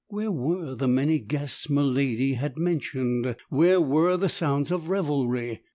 Where were the many guests miladi had mentioned? Where were the sounds of revelry?